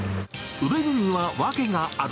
売れるには訳がある。